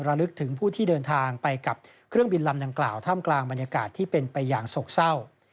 ระลึกถึงผู้ที่เดินทางไปกับเครื่องบินลำดังกล่าวท่ามกลางบรรยากาศที่เป็นไปอย่างโศกเศร้า